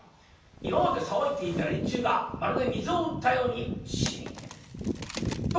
今まで騒いでいた連中がまるで水を打ったようにシンと。